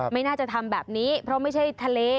ไม่น่าจะทำแบบนี้เพราะไม่ใช่ทะเล